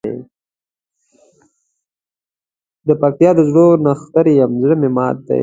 دپکتیا د غرو نښتر یم زړه مي مات دی